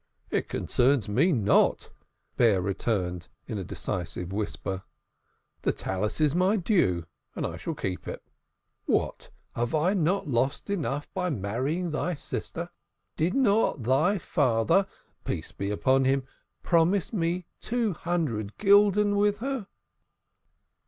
"It concerns me not." Bear returned in a decisive whisper. "The Talith is my due and I shall keep it. What! Have I not lost enough by marrying thy sister? Did not thy father, peace be upon him, promise me two hundred gulden with her?"